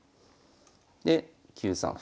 で９三歩。